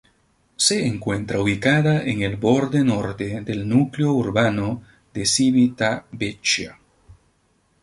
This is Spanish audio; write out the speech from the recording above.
Se encuentra ubicada en el borde norte del núcleo urbano de Civitavecchia.